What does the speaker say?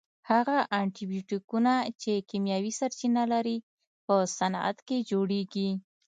هغه انټي بیوټیکونه چې کیمیاوي سرچینه لري په صنعت کې جوړیږي.